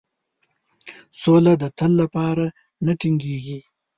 سوله د تل لپاره نه ټینګیږي.